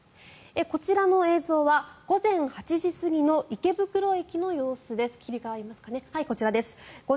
こちらの映像は午前８時過ぎの池袋駅の様子です。